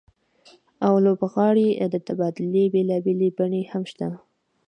او لوبغاړو د تبادلې بېلابېلې بڼې هم شته